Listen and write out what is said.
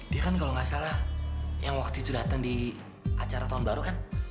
dia kan kalau nggak salah yang waktu itu datang di acara tahun baru kan